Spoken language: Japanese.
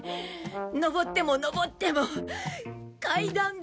上っても上っても階段が。